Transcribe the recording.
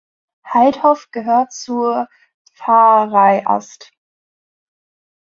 Haidhof gehört zur Pfarrei Ast.